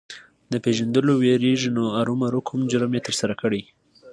د پېژندلو وېرېږي نو ارومرو کوم جرم یې ترسره کړی.